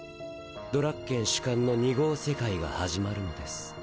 ドラッケン主観の２号世界が始まるのです。